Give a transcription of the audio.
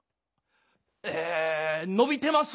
え伸びてます。